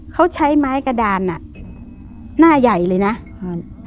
เขาใช้ไม้กระดานอ่ะหน้าใหญ่เลยนะครับ